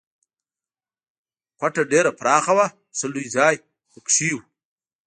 کوټه ډېره پراخه وه، ښه لوی ځای پکې و.